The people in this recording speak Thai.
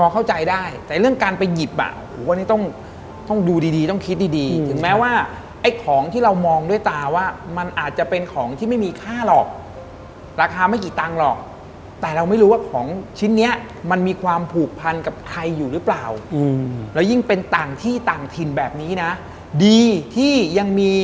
คุณพ่อลงรถไปแล้วก็รอกกรทันทีเลย